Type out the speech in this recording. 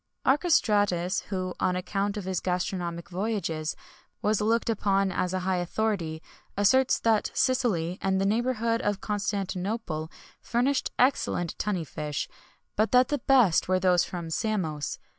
[XXI 108] Archestratus, who, on account of his gastronomic voyages, was looked upon as a high authority, asserts that Sicily and the neighbourhood of Constantinople furnished excellent tunny fish; but that the best were those from Samos.